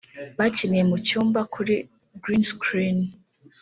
Bakiniye mu cyumba kuri Green Screen